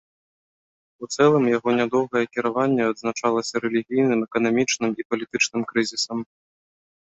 У цэлым яго нядоўгае кіраванне адзначалася рэлігійным, эканамічным і палітычным крызісам.